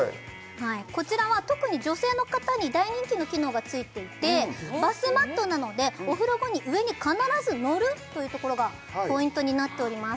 こちらは特に女性の方に大人気の機能が付いていてバスマットなのでお風呂場に上に必ず乗るというところがポイントになっております